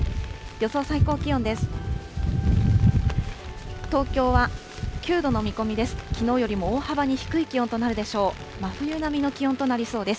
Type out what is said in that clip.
予想最高気温です。